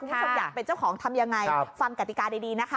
คุณผู้ชมอยากเป็นเจ้าของทำยังไงฟังกติกาดีนะคะ